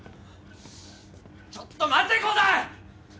ちょっと待て伍代！